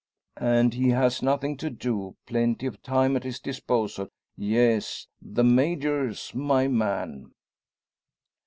And he has nothing to do plenty of time at his disposal. Yes; the Major's my man!